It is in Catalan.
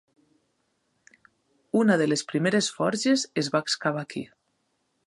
Una de les primeres forges es va excavar aquí.